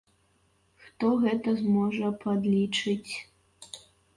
Хто гэта зможа падлічыць?